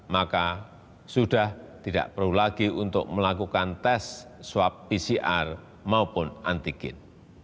maka sudah tidak perlu lagi untuk melakukan tes swab pcr maupun antigen